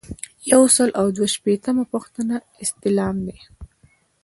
یو سل او دوه شپیتمه پوښتنه استعلام دی.